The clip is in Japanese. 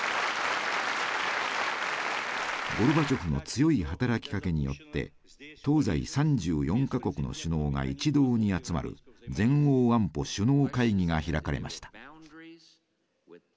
ゴルバチョフの強い働きかけによって東西３４か国の首脳が一堂に集まる全欧安保首脳会議が開かれました。